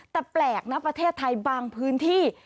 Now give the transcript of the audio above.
แต่แปลกนะประเทศไทยบางพื้นที่